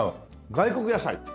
外国野菜。